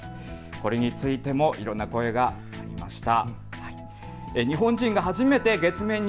これについてもいろんな声がありました。